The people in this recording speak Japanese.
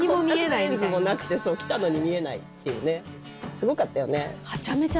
すごかったよね。